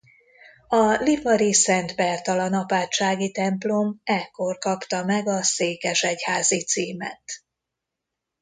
A lipari Szent Bertalan apátsági templom ekkor kapta meg a székesegyházi címet.